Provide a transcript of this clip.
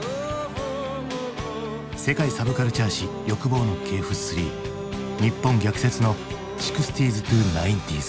「世界サブカルチャー史欲望の系譜３日本逆説の６０−９０ｓ」。